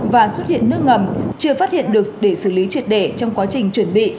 và xuất hiện nước ngầm chưa phát hiện được để xử lý triệt đề trong quá trình chuẩn bị